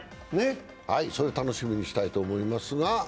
それを楽しみにしたいと思います。